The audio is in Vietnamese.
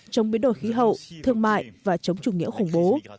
chống biến đổi khí hậu thương mại và chống chủ nghĩa khủng bố